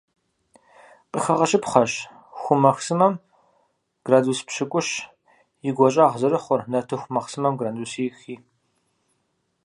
Къыхэгъэщыпхъэщ ху махъсымэм градус пщыкIущ и гуащIагъ зэрыхъур, нартыху махъсымэм - градусих-и.